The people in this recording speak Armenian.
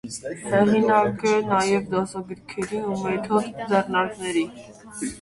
Հեղինակ է նաև դասագրքերի ու մեթոդ, ձեռնարկների։